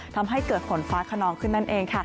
ทำให้เกิดฝนฟ้าขนองขึ้นนั่นเองค่ะ